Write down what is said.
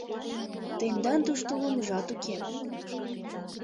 Тендан тушто лумжат уке.